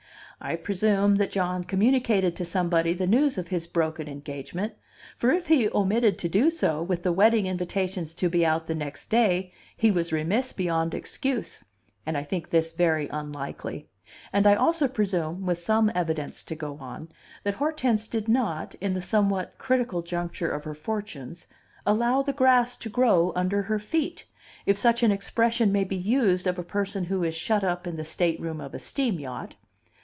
I presume that John communicated to somebody the news of his broken engagement; for if he omitted to do so, with the wedding invitations to be out the next day, he was remiss beyond excuse, and I think this very unlikely; and I also presume (with some evidence to go on) that Hortense did not, in the somewhat critical juncture of her fortunes, allow the grass to grow under her feet if such an expression may be used of a person who is shut up in the stateroom of a steam yacht.